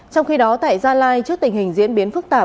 trong khi đó tại gia lai trước tình hình diễn biến phức tạp